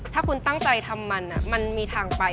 ถ้าคุณตั้งใจทำมันมันมีทางไป